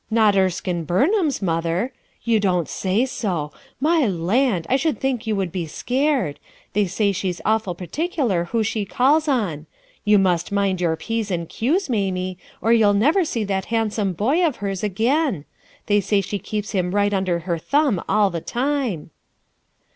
"Xot Erskine Burnham's mother? You don't sav so! My land! I should think you would he scared. They say she's awful particular who she calls on. You must mind your p'sand q's. Mamie, or you'll never see that handsome boy of hers again. They say she keeps him right under her thumb all the time.